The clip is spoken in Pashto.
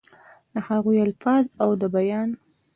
دَ هغوي الفاظ او دَ بيان